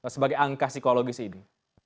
sebagai angka psikologis ini